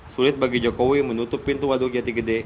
sulit bagi jokowi menutup pintu waduk jati gede